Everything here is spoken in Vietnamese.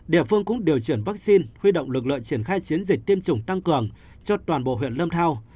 địa phương cũng điều chuyển vaccine huy động lực lượng triển khai chiến dịch tiêm chủng tăng cường cho toàn bộ huyện lâm thao